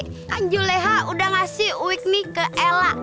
kan ju leha udah ngasih uik nih ke ella